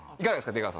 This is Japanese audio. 出川さん